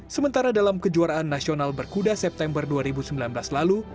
sementara dalam kejuaraan nasional berkuda september dua ribu sembilan belas lalu